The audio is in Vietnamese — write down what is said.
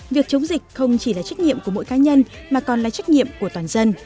việc chống dịch không chỉ là trách nhiệm của mỗi cá nhân mà còn là trách nhiệm của toàn dân